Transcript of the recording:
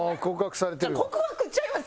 告白ちゃいます。